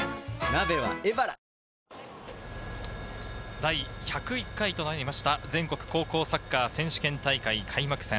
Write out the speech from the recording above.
第１０１回となりました、全国高校サッカー選手権大会・開幕戦。